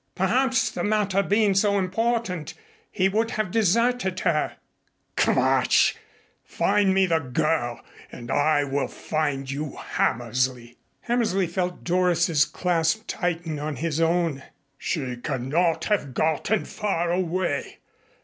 "Perhaps, the matter being so important, he would have deserted her." "Quatsch! Find me the girl and I will find you Hammersley." Hammersley felt Doris's clasp tighten on his own. "She cannot have gotten far away.